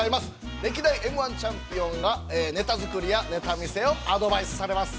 歴代Ｍ−１チャンピオンがネタ作りやネタ見せをアドバイスされます。